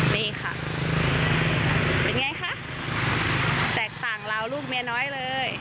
นี่ค่ะเป็นไงคะแตกต่างเราลูกเมียน้อยเลย